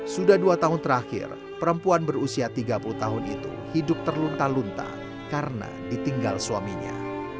sudah dua tahun terakhir perempuan berusia tiga puluh tahun itu hidup terlunta lunta karena ditinggal suaminya